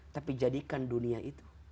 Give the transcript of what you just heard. tapi jadikan dunia itu